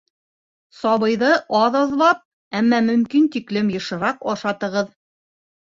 - сабыйҙы аҙ-аҙлап, әммә мөмкин тиклем йышыраҡ ашатығыҙ